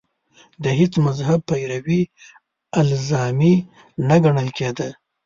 د هېڅ مذهب پیروي الزامي نه ګڼل کېده